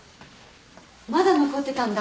まだ残ってたんだ。